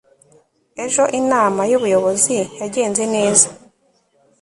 ejo inama yubuyobozi yagenze neza